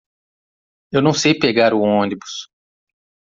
Eu não sei pegar o ônibus.